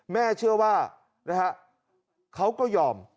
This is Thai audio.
แม่เชื่อว่าเขาก็ยอม